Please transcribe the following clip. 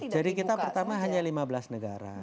jadi kita pertama hanya lima belas negara